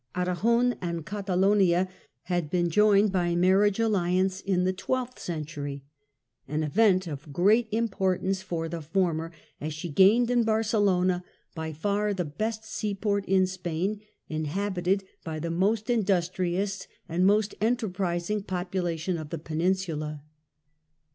Aragon and Catalonia had been joined by marriage alHance in the twelfth century; an event of great importance for the former, as she gained in Barce lona by far the best sea port in Spain, inhabited by the most industrious and most enterprising population of the Peninsula.